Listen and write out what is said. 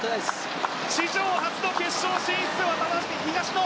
史上初の決勝進出、渡辺・東野。